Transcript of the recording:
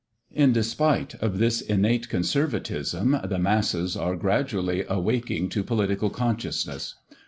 In despite of this innate conservatism, the masses are gradually awaking to political consciousness.